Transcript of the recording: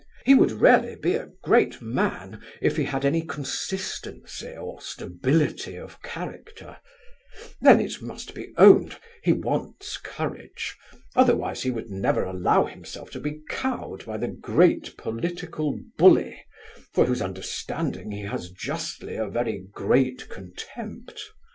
He would really be a great man, if he had any consistency or stability of character Then, it must be owned, he wants courage, otherwise he would never allow himself to be cowed by the great political bully, for whose understanding he has justly a very great contempt.